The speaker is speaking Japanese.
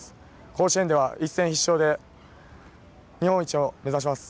甲子園では一戦必勝で日本一を目指します。